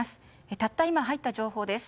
たった今、入った情報です。